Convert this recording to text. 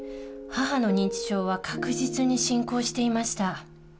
母の認知症は確実に進行していました。